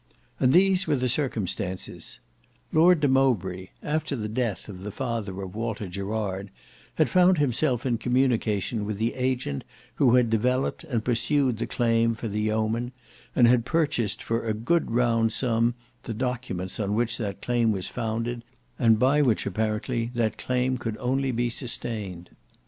And these were the circumstances: Lord de Mowbray after the death of the father of Walter Gerard had found himself in communication with the agent who had developed and pursued the claim for the yeoman, and had purchased for a good round sum the documents on which that claim was founded, and by which apparently that claim could only be sustained.